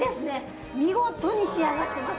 見事に仕上がってます！